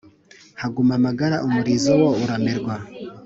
Haguma amagara umurizo wo uramerwa